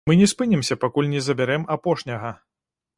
І мы не спынімся, пакуль не забярэм апошняга.